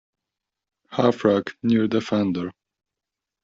Hearthrug, near the fender.